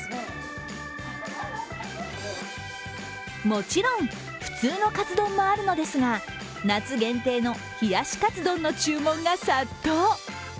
もちろん、普通のかつ丼もあるのですが、夏限定の冷やしかつ丼の注文が殺到。